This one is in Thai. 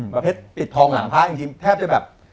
ประเภทติดทองหลังพลาดจริงแทบจะแบบ